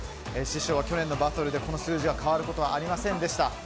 師匠は去年のバトルでこの数字が変わることはありませんでした。